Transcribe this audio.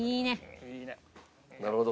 なるほど！